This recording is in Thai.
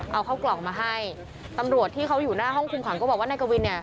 เอาเข้ากล่องมาให้ตำรวจที่เขาอยู่หน้าห้องคุมขังก็บอกว่านายกวินเนี่ย